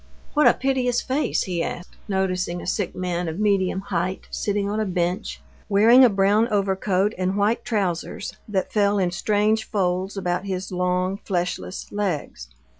What a piteous face!" he asked, noticing a sick man of medium height sitting on a bench, wearing a brown overcoat and white trousers that fell in strange folds about his long, fleshless legs.